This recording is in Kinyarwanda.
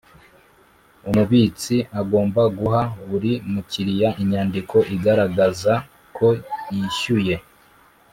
Umubitsi agomba guha buri Mukiriya inyandiko igaragaza ko yishyuye